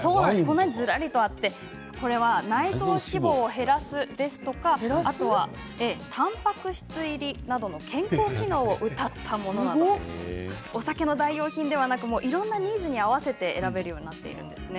ずらりとあってこれは内臓脂肪を減らすですとかあとは、たんぱく質入りなどの健康機能をうたったものなどお酒の代用品ではなくいろんなニーズに合わせて選べるようになっているんですね。